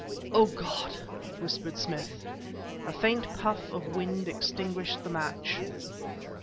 "Oh, God!" whispered Smith. A faint puff of wind extinguished the match.